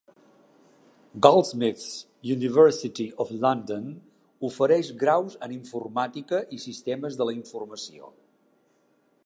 Goldsmiths, University of London ofereix graus en Informàtica i Sistemes de la Informació.